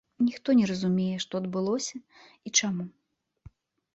Ніхто не разумее, што адбылося і чаму.